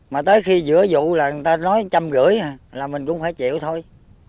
mà tới khi giữa vụ là người ta nói một trăm năm mươi là mình cũng phải chịu thôi